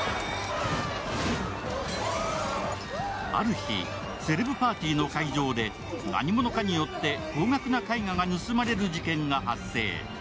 ある日、セレブパーティーの会場で何者かによって高額な絵画が盗まれる事件が発生。